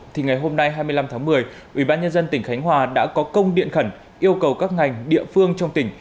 thì ngày hôm nay hai mươi năm tháng một mươi ubnd tỉnh khánh hòa đã có công điện khẩn yêu cầu các ngành địa phương trong tỉnh